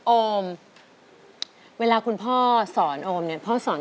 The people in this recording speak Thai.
โอมเวลาคุณพ่อสอนโอมพ่อสอนอะไรบ้าง